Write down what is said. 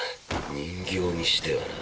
人形にしてはな。